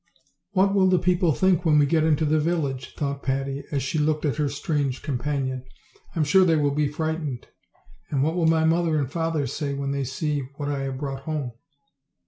"What will the people think when we get into the vil lage?" thought Patty, as she looked at her strange com panion. "I'm sure they will be frightened; and what will my mother and father say when they see what I have brought home?"